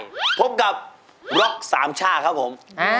เจอกับร็อกสามชาติครับผม